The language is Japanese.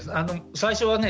最初はね